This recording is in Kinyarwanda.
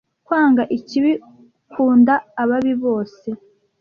kwanga ikibi kunda ababi bose